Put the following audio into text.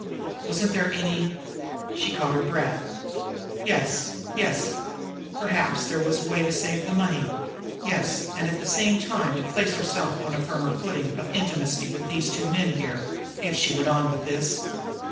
Wasn't there any She caught her breath. Yes, yes! Perhaps there was a way to save the money; yes, and at the same time to place herself on a firmer footing of intimacy with these two men here if she went on with this.